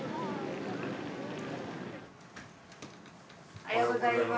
おはようございます。